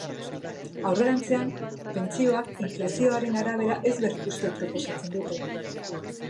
Aurrerantzean, pentsioak inflazioaren arabera ez berrikustea proposatzen dute.